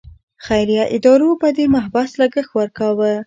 خیریه ادارو به د محبس لګښت ورکاوه.